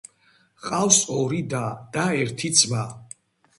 ჰყავს ორი და და ერთი ძმა.